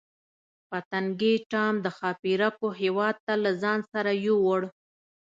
پتنګې ټام د ښاپیرکو هیواد ته له ځان سره یووړ.